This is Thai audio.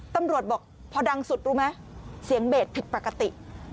ตำรวจบอกพอดังสุดรู้ไหมเสียงเบสผิดปกติ